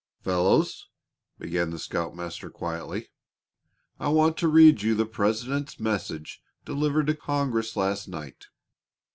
"Fellows," began the scoutmaster, quietly, "I want to read you the President's message delivered to Congress last night.